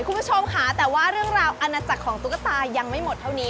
คุณผู้ชมค่ะแต่ว่าเรื่องราวอาณาจักรของตุ๊กตายังไม่หมดเท่านี้